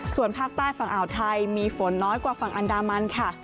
ส่วนภาคใต้ฝั่งอ่าวไทยมีฝนน้อยกว่าฝั่งอันดามันค่ะ